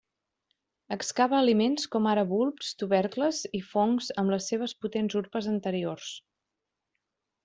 Excava aliments com ara bulbs, tubercles i fongs amb les seves potents urpes anteriors.